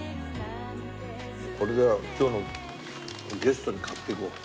これじゃあ今日のゲストに買っていこう。